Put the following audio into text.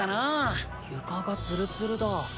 床がツルツルだ。